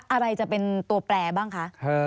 อะไรจะเป็นตัวแปลบ้างคะ